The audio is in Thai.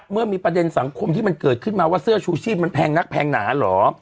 เมื่อมีประเด็นสังคมที่มันเกิดขึ้นมาว่าเสื้อชูชีพมันแพงนักแพงหนาเหรอ